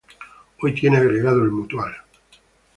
Hoy tiene agregado el Mutual.